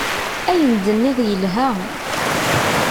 Ayen-d-tenniḍ yelha.